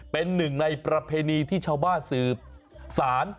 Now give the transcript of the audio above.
เป็นหนึ่งในประเพณีที่ชาวบ้านสืบสาร